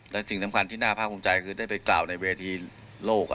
และสิ่งสำคัญที่น่าภาคภูมิใจคือได้ไปกล่าวในเวทีโลก